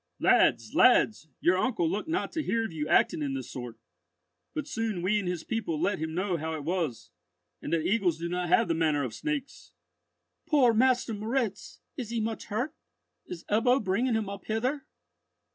Lads, lads, your uncle looked not to hear of you acting in this sort.' But soon we and his people let him know how it was, and that eagles do not have the manner of snakes." "Poor Master Moritz! Is he much hurt? Is Ebbo bringing him up hither?"